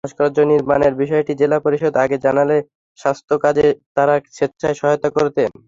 ভাস্কর্য নির্মাণের বিষয়টি জেলা পরিষদ আগে জানালে স্থাপত্যকাজে তাঁরা স্বেচ্ছায় সহায়তা করতেন।